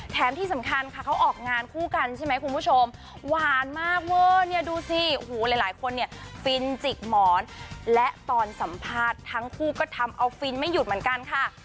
ที่สำคัญค่ะเขาออกงานคู่กันใช่ไหมคุณผู้ชมหวานมากเวอร์เนี่ยดูสิโอ้โหหลายคนเนี่ยฟินจิกหมอนและตอนสัมภาษณ์ทั้งคู่ก็ทำเอาฟินไม่หยุดเหมือนกันค่ะ